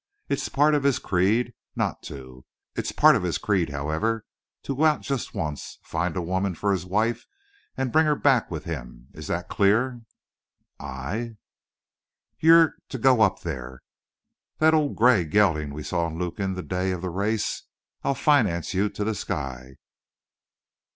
It's part of his creed not to. It's part of his creed, however, to go out just once, find a woman for his wife, and bring her back with him. Is that clear?" "I " "You're to go up there. That old gray gelding we saw in Lukin the day of the race. I'll finance you to the sky.